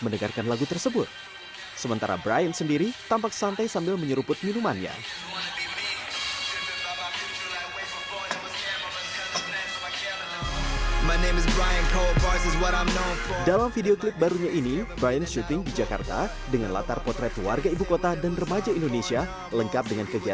dan terima kasih atas perhatian anda sampai jumpa